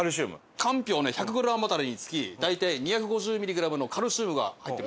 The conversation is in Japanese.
かんぴょうね１００グラム当たりにつき大体２５０ミリグラムのカルシウムが入ってるんですね。